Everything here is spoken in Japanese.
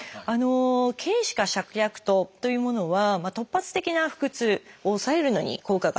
「桂枝加芍薬湯」というものは突発的な腹痛を抑えるのに効果があると。